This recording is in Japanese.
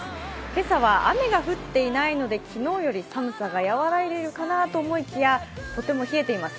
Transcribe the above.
今朝は雨が降っていないので昨日より寒さがやわらいでいるかなと思いきやとても冷えています。